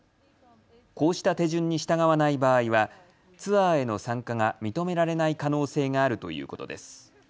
こうした手順に従わない場合はツアーへの参加が認められない可能性があるということです。